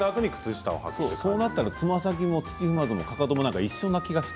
そうなったら、つま先も土踏まずもかかとも一緒のような感じがして。